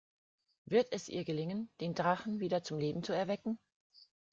Wird es ihr gelingen, den Drachen wieder zum Leben zu erwecken?